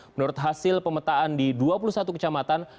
menurut hasil pemetaan di dua puluh satu kecamatan